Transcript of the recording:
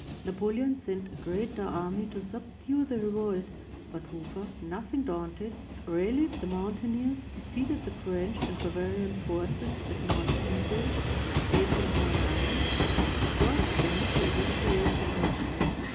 Napoleon sent a greater army to subdue the revolt, but Hofer, nothing daunted, rallied the mountaineers, defeated the French and Bavarian forces at Mount Isel (1809) and forced them to evacuate the country.